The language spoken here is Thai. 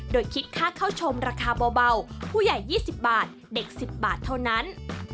โดยคิดค่าเข้าชมราคาเบาผู้ใหญ่๒๐บาทเด็ก๑๐บาทเท่านั้น